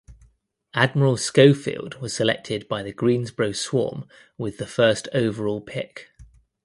Admiral Schofield was selected by the Greensboro Swarm with the first overall pick.